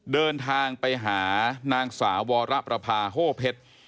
เดินทางไปหานางสาววรประพาโฮเพชร